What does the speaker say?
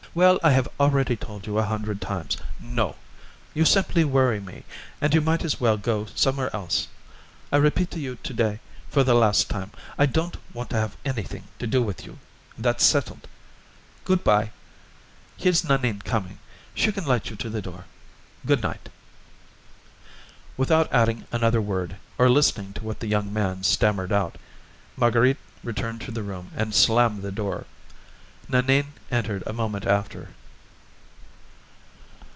Well, I have already told you a hundred times, No; you simply worry me, and you might as well go somewhere else. I repeat to you to day, for the last time, I don't want to have anything to do with you; that's settled. Good bye. Here's Nanine coming in; she can light you to the door. Good night." Without adding another word, or listening to what the young man stammered out, Marguerite returned to the room and slammed the door. Nanine entered a moment after.